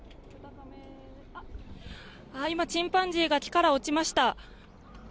今、チンパンジーが木から落ちました。